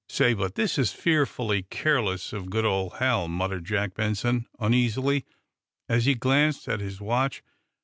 "Say, but this is fearfully careless of good old Hal," muttered Jack Benson, uneasily, as he glanced at his watch.